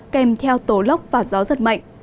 kèm theo tổ lóc và gió rất mạnh